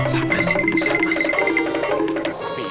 siapa sih siapa sih